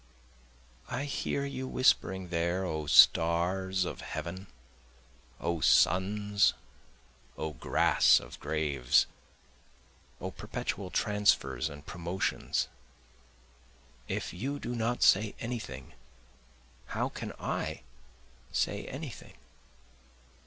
I hear you whispering there O stars of heaven, O suns O grass of graves O perpetual transfers and promotions, If you do not say any thing how can I say any thing?